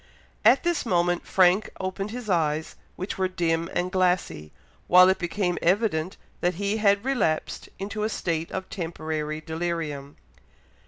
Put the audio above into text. At this moment Frank opened his eyes, which were dim and glassy, while it became evident that he had relapsed into a state of temporary delirium.